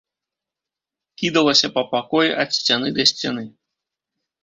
Кідалася па пакоі ад сцяны да сцяны.